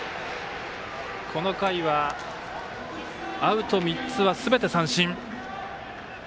この回はアウト３つはすべて三振。